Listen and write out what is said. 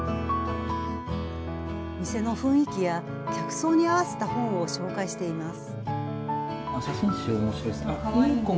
店の雰囲気や客層に合わせた本を紹介しています。